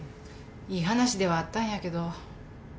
いい話ではあったんやけど。